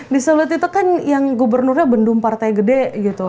di solo itu kan yang gubernurnya bendum partai gede gitu